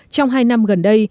trong hai năm gần đây